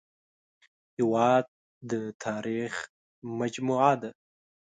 هېواد د تاریخ مجموعه ده